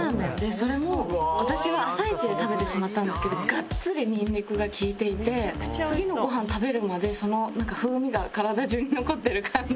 それも私は朝イチで食べてしまったんですけどがっつりニンニクが利いていて次のご飯食べるまでその風味が体中に残ってる感じ。